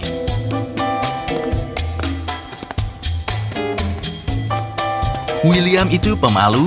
william itu pemalu dan selalu mencari buku yang lebih baik